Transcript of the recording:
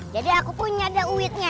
jadi aku punya deh uitnya